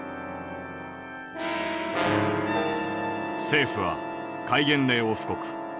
政府は戒厳令を布告。